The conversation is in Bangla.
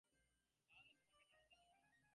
তা হলে তোমাকে নাড়াতে হবে।